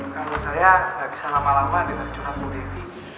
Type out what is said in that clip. karena saya gak bisa lama lama ditercurhat bu devi